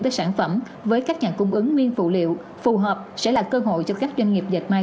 với sản phẩm với các nhà cung ứng nguyên phụ liệu phù hợp sẽ là cơ hội cho các doanh nghiệp dệt may